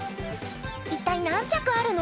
一体何着あるの？